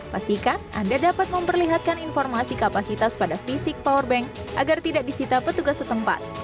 pastikan anda dapat memperlihatkan informasi kapasitas pada fisik powerbank agar tidak disita petugas setempat